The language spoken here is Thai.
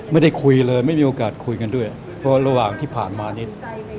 ไม่ได้คุยเลยไม่มีโอกาสคุยกันด้วยเพราะระหว่างที่ผ่านมานี้